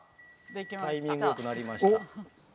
タイミングよく鳴りました。